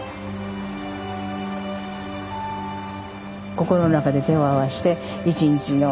心の中で手を合わして１日